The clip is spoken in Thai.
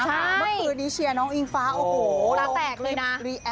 เมื่อคืนนี้เชียร์น้องอิงฟ้าโอ้โหตาแตกเลยนะ